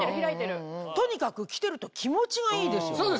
とにかく着てると気持ちがいいですよ。